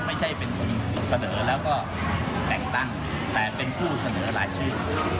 ไม่ใช่เป็นคนเสนอแล้วก็แต่งตั้งแต่เป็นผู้เสนอหลายชื่อ